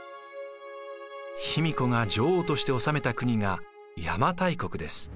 卑弥呼が女王として治めた国が邪馬台国です。